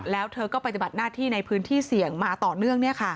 แล้วเธอก็ปฏิบัติหน้าที่ในพื้นที่เสี่ยงมาต่อเนื่อง